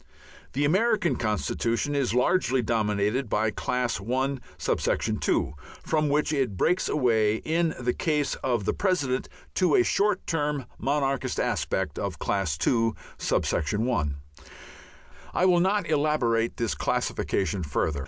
The American constitution is largely dominated by Class I.(2), from which it breaks away in the case of the President to a short term monarchist aspect of Class II.(1). I will not elaborate this classification further.